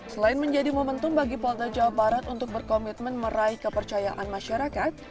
selain menjadi momentum bagi polda jawa barat untuk berkomitmen meraih kepercayaan masyarakat